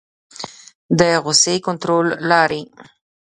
د غصې کنټرول لارې